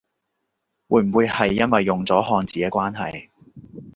會唔會係因為用咗漢字嘅關係？